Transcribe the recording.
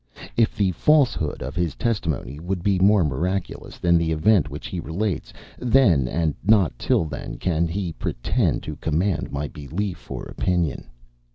If the falsehood of his testimony would be more miraculous than the event which he relates; then, and not till then, can he pretend to command my belief or opinion....